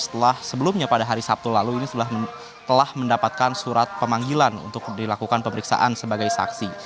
setelah sebelumnya pada hari sabtu lalu ini telah mendapatkan surat pemanggilan untuk dilakukan pemeriksaan sebagai saksi